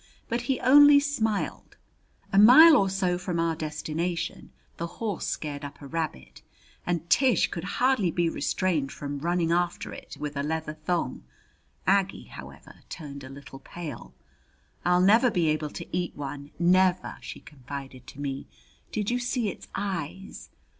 But he only smiled. A mile or so from our destination the horse scared up a rabbit, and Tish could hardly be restrained from running after it with a leather thong. Aggie, however, turned a little pale. "I'll never be able to eat one, never!" she confided to me. "Did you see its eyes?